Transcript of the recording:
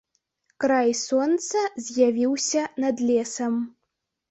Край сонца з'явіўся над лесам.